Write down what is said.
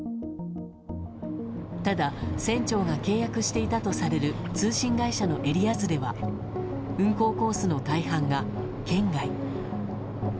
ただ、船長が契約していたとされる通信会社のエリア図では運航コースの大半が圏外。